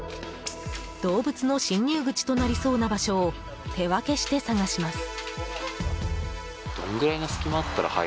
動物の侵入口となりそうな場所を手分けして探します。